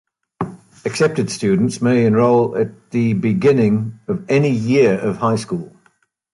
Accepted students may enroll at the beginning of any year of high school.